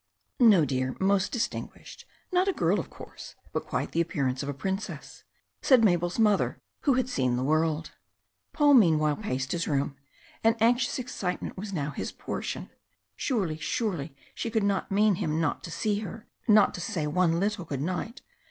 "No, dear. Most distinguished. Not a girl, of course, but quite the appearance of a Princess," said Mabel's mother, who had seen the world. Paul meanwhile paced his room an anxious excitement was now his portion. Surely, surely she could not mean him not to see her not to say one little good night.